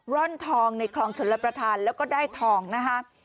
ร่อนทองในคลองชนรับประทานแล้วก็ได้ทองนะคะ